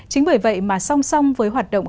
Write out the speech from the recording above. chính bởi vậy mà song song với hoạt động